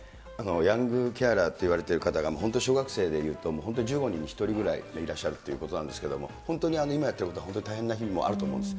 ヤングケアラーと言われてる方が、本当に小学生でいうと、本当１５人に１人ぐらいいらっしゃるということなんですけれども、本当に今やってることは大変な日々もあると思うんです。